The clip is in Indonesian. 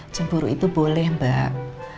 cempuru itu boleh mbak